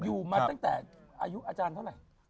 อยู่มาตั้งแต่อายุอาจารย์เท่าไหร่